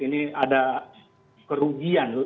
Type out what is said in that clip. ini ada kerugian